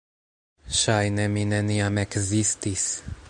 Ŝajne mi neniam ekzistis.